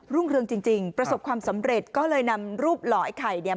เรืองจริงจริงประสบความสำเร็จก็เลยนำรูปหล่อไอ้ไข่เนี่ย